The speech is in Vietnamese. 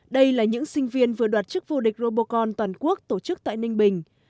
đây là những sinh viên vừa đoạt chức vô địch robocon toàn quốc tổ chức tại ninh bình